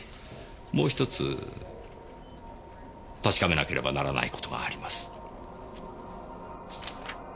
もうひとつ確かめなければならないことがあります。